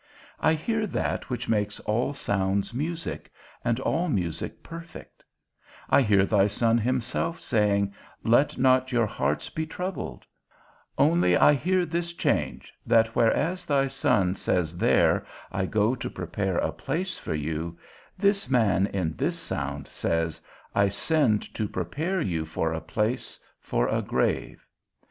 I hear that which makes all sounds music, and all music perfect; I hear thy Son himself saying, Let not your hearts be troubled; only I hear this change, that whereas thy Son says there, I go to prepare a place for you, this man in this sound says, I send to prepare you for a place, for a grave.